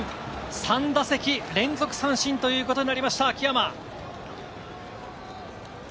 ３打席連続三振ということになりました、秋山。